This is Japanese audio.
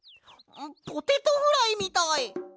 ポテトフライみたい！